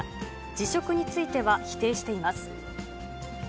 辞職については否定しています。